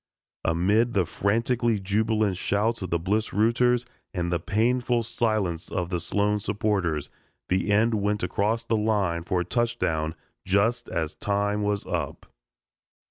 Amid the frantically jubilant shouts of the Bliss rooters and the painful silence of the Sloan supporters the end went across the line for a touchdown just as time was up.